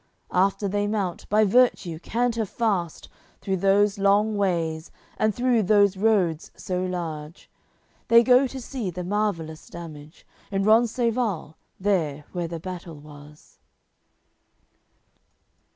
After they mount, by virtue canter fast Through those long ways, and through those roads so large; They go to see the marvellous damage In Rencesvals, there where the battle was.